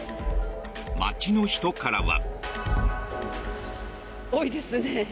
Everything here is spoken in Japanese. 街の人からは。